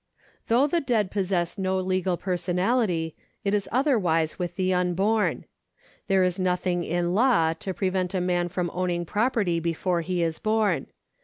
Though the dead possess no legal personality, it is other wise with the unborn. There is nothing in law to prevent a man from owning property before he is born.